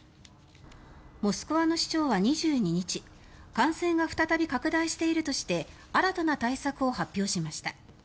モスクワの市長は２２日感染が再び拡大しているとして新たな対策を発表しました。